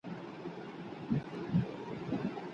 ښځینه ډاکټرانې ولي مهمي دي؟